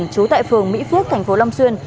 trú tại phường mỹ phước tp lâm xuyên